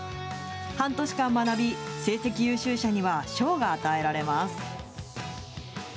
半年間学び、成績優秀者には賞が与えられます。